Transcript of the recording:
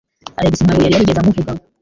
Alex ntabwo yari yarigeze amuvuga.